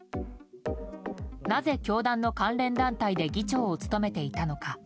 なぜ教団の関連団体で議長を務めていたのか。